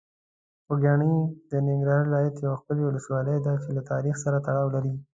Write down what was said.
خوږیاڼي د ننګرهار ولایت یوه ښکلي ولسوالۍ ده چې له تاریخ سره تړاو لري.